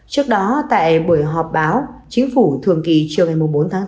trước đó tại buổi họp báo chính phủ thường kỳ chiều ngày bốn tháng bốn